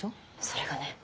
それがね